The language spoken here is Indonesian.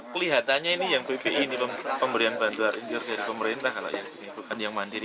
kelihatannya ini yang bpi ini pemberian bantuan indir dari pemerintah ini bukan yang mandiri